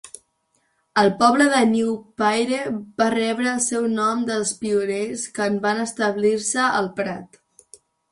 El poble New Praire va rebre el seu nom dels pioners que van establir-se al prat.